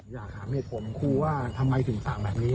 อยากถามเหตุผลครูว่าทำไมถึงสั่งแบบนี้